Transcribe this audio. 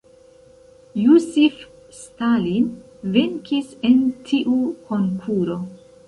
Josif Stalin venkis en tiu konkuro.